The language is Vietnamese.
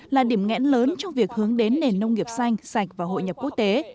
là điểm ngẽn lớn trong việc hướng đến nền nông nghiệp xanh sạch và hội nhập quốc tế